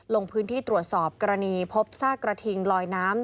ลงพื้นที่ตรวจสอบกรณีพบซากกระทิงลอยน้ำ